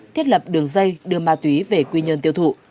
thiết lập đường dây đưa ma túy về quy nhơn tiêu thụ